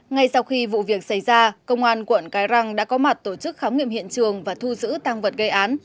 ngay sau khi vụ việc xảy ra công an quận cái răng đã có mặt tổ chức khám nghiệm hiện trường và thu giữ tăng vật gây án